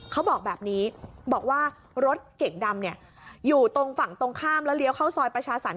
เขาบอกแบบนี้บอกว่ารถเก่งดำอยู่ตรงฝั่งตรงข้ามแล้วเลี้ยวเข้าซอยประชาสรรค